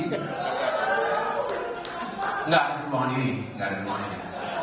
tidak ada hubungan ini